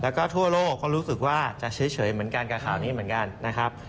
แล้วก็ทั่วโลกก็รู้สึกว่าจะเฉยเหมือนกันกับข่าวนี้เหมือนกันนะครับ